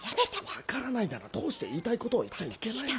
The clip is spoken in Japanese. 分からないならどうして言いたいことを言っちゃいけないんだ？